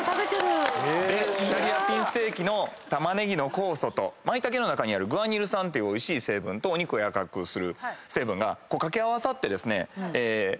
でシャリアピンステーキの玉ねぎの酵素とマイタケの中にあるグアニル酸っていうおいしい成分とお肉をやわらかくする成分が掛け合わさって簡単なんです。